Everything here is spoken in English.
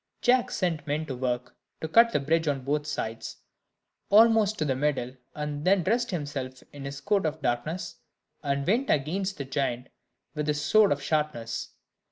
Jack set men to work, to cut the bridge on both sides, almost to the middle, and then dressed himself in his coat of darkness, and went against the giant with his sword of sharpness.